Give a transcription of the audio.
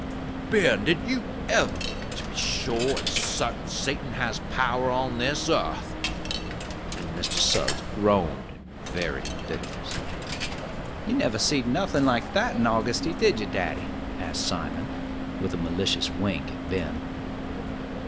Ben, did you ever? To be sure and sartain, Satan has power on this yearth!" and Mr. Suggs groaned in very bitterness. "You never seed nothin' like that in Augusty, did ye, daddy?" asked Simon, with a malicious wink at Ben.